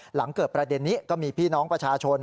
หลังเกิดประเด็นนี้ก็มีพี่น้องประชาชน